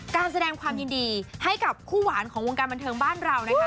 การแสดงความยินดีให้กับคู่หวานของวงการบันเทิงบ้านเรานะคะ